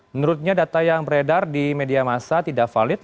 menurutnya data yang beredar di media masa tidak valid